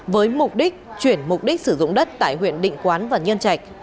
với mục đích chuyển mục đích sử dụng đất tại huyện định quán và nhân trạch